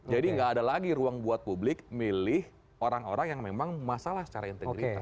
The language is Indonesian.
jadi nggak ada lagi ruang buat publik milih orang orang yang memang masalah secara integritas